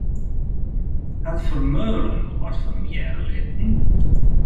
Hat Vermeulen al wat fan him hearre litten?